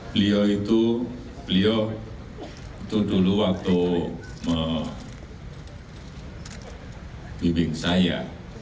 beliau itu beliau itu dulu waktu bimbing saya